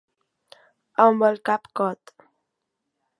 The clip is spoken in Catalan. Amb el cap cot.